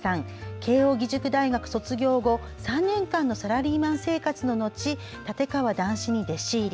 慶應義塾大学卒業後、３年間のサラリーマン生活の後立川談志に弟子入り。